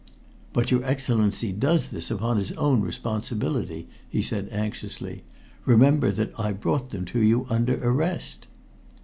"But your Excellency does this upon his own responsibility," he said anxiously. "Remember that I brought them to you under arrest."